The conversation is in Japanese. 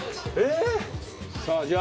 さあじゃあ。